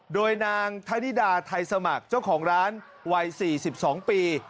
โดยนางธนิดาไทยสมัครเจ้าของร้านวัย๔๒ปี